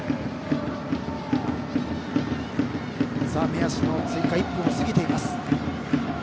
目安の追加１分を過ぎています。